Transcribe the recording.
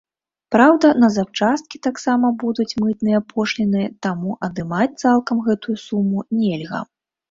Праўда, на запчасткі таксама будуць мытныя пошліны, таму адымаць цалкам гэтую суму нельга.